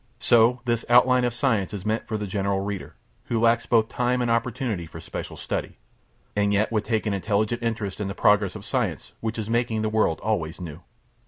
So this OUTLINE OF SCIENCE is meant for the general reader, who lacks both time and opportunity for special study, and yet would take an intelligent interest in the progress of science which is making the world always new.